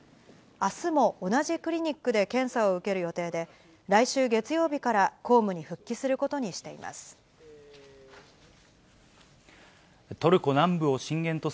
あすも同じクリニックで検査を受ける予定で、来週月曜日から、公務に復帰することにしています。